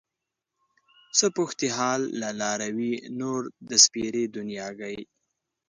څه پوښتې حال له لاروي نور د سپېرې دنياګۍ